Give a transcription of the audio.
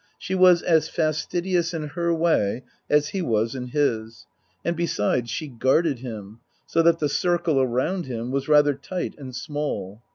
She was as fastidious in her way as he was in his ; and besides, she guarded him, so that the circle around him was rather tight and small.